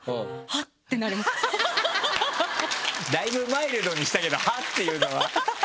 だいぶマイルドにしたけど「はっ！」っていうのは。